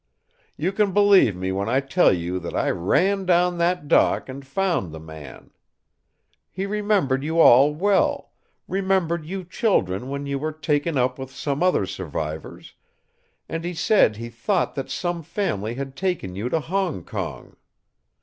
"You can believe me when I tell you that I ran down that dock and found the man. He remembered you all well, remembered you children when you were taken up with some other survivors, and he said he thought that some family had taken you to Hong Kong.